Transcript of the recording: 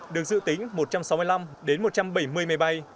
được dự tính một trăm sáu mươi năm một trăm bảy mươi máy bay